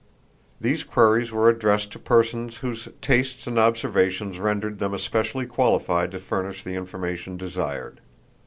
These queries were addressed to persons whose tastes and observations rendered them especially qualified to furnish the information desired.